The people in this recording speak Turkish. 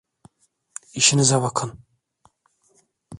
İşinize bakın!